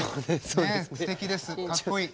すてきですかっこいい。